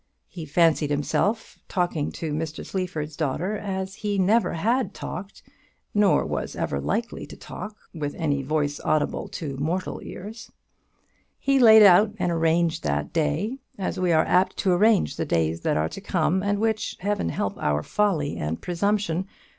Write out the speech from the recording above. He fancied himself talking to Mr. Sleaford's daughter as he never had talked, nor was ever likely to talk, with any voice audible to mortal ears; he laid out and arranged that day as we are apt to arrange the days that are to come, and which Heaven help our folly and presumption!